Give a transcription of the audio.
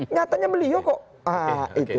nyatanya beliau kok